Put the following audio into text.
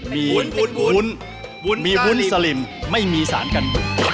มีวุ้นมีวุ้นสลิมไม่มีสารกัน